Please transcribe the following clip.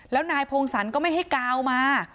แล้วนายพงศรก็ไม่ให้กาวมา